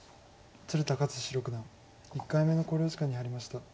鶴田和志六段１回目の考慮時間に入りました。